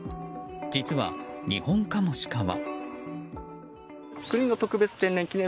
実は、ニホンカモシカは。